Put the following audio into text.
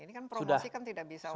ini kan promosi kan tidak bisa